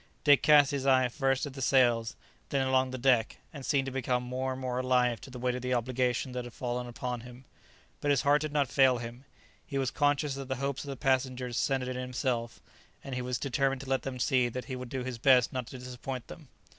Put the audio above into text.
Dick cast his eye first at the sails, then along the deck, and seemed to become more and more alive to the weight of the obligation that had fallen upon him; but his heart did not fail him; he was conscious that the hopes of the passengers centred in himself, and he was determined to let them see that he would do his best not to disappoint them.